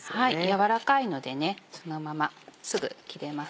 軟らかいのでそのまますぐ切れます。